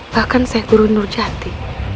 bahkan syekh guru nurjati